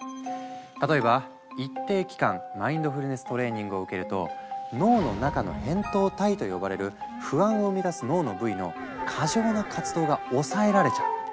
例えば一定期間マインドフルネス・トレーニングを受けると脳の中の「扁桃体」と呼ばれる不安を生み出す脳の部位の過剰な活動が抑えられちゃう。